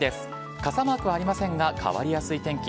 傘マークはありませんが、変わりやすい天気。